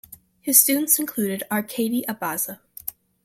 His students included Arkady Abaza.